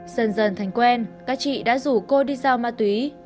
dần dần thành quen các chị đã rủ cô đi giao ma túy